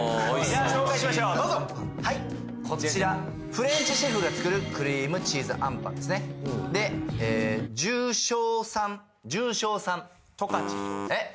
じゃあ紹介しましょうどうぞはいこちらフレンチシェフが作るクリームチーズあんぱんですねでじゅうしょうさんえっ？